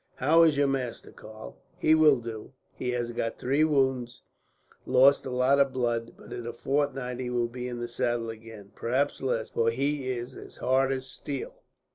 "How is your master, Karl?" "He will do. He has got three wounds, and lost a lot of blood; but in a fortnight he will be in the saddle again. Perhaps less, for he is as hard as steel."